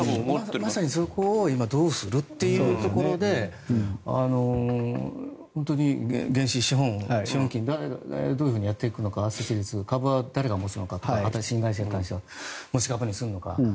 まさにそこを今、どうするというところで本当に原資、資本金誰がどうやっていくのか株は誰が持つのかとか持ち株にするのか。